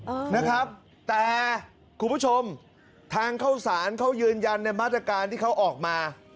เออนะครับแต่คุณผู้ชมทางเข้าสารเขายืนยันในมาตรการที่เขาออกมา